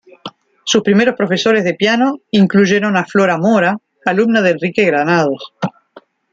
Sus primeros profesores de piano incluyeron a Flora Mora, alumna de Enrique Granados.